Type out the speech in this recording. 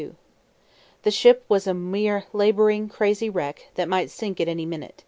The ship was a mere labouring, crazy wreck, that might sink at any moment.